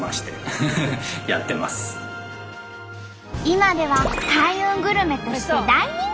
今では開運グルメとして大人気に。